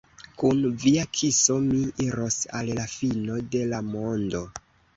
Kun via kiso mi iros al la fino de la mondo!